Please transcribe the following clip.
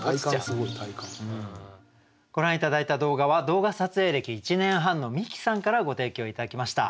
ご覧頂いた動画は動画撮影歴１年半のみきさんからご提供頂きました。